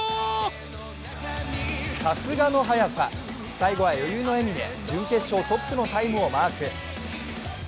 最後は余裕の笑みで準決勝トップのタイムをマーク。